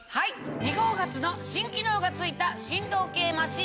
日本初の新機能が付いた振動系マシン